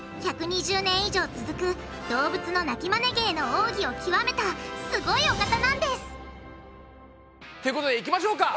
１２０年以上続く動物の鳴きマネ芸の奥義を究めたすごいお方なんですということでいきましょうか！